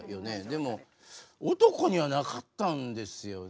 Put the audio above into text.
でも男にはなかったんですよね。